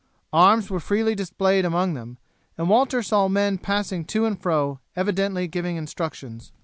Arms were freely displayed among them, and Walter saw men passing to and fro evidently giving instructions.